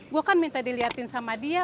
gua kan minta diliatin sama dia